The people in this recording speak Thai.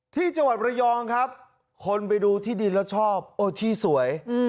ที่จังหวัดระยองครับคนไปดูที่ดินแล้วชอบโอ้ที่สวย